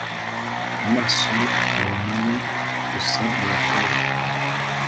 amaso ye akabona we gusa mubakobwa